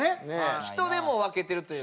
人でも分けてるというか。